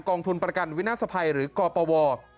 ทุนประกันวินาศภัยหรือกปว